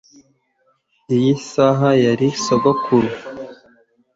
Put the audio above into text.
iyi saha yari sogokuru